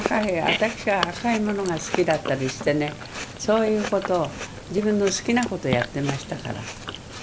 私は赤いものが好きだったりしてねそういう事を自分の好きな事やってましたから。